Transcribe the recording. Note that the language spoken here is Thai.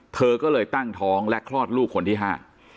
เธอก็เลยตั้งท้องและคลอดลูกคนที่ห้า